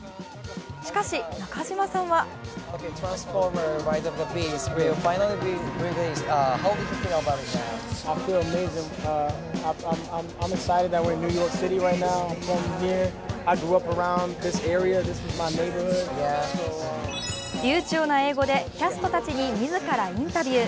しかし、中島さんは流ちょうな英語でキャストたちに自らインタビュー。